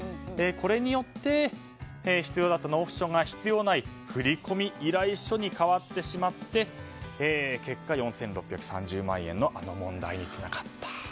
これによって必要だった納付書が必要のない振込依頼書に変わってしまって結果、４６３０万円の問題につながったと。